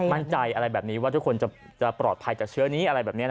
มั่นใจว่าทุกคนจะปลอดภัยจากเชื้อนี้